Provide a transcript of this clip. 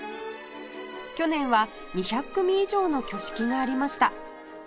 去年は２００組以上の挙式がありました